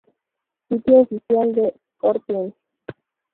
Sitio Oficial de Scorpions